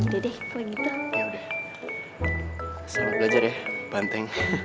selamat belajar ya banteng